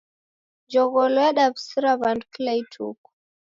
Njogholo yadaw'usira w'andu kila ituku.